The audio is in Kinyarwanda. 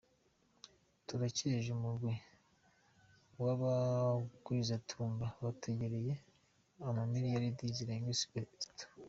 "Turakeje umugwi w'abagwizatunga baterereye imiliaridi zirenga zitatu.